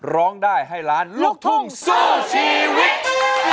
ร้องได้ให้ล้านลูกทุ่งสู้ชีวิต